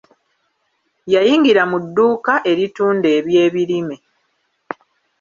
Yayingira mu dduuka eritunda eby'ebirime.